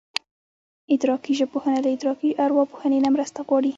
ادراکي ژبپوهنه له ادراکي ارواپوهنې نه مرسته غواړي